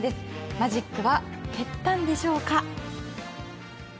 マジックは減ったんでしょうか？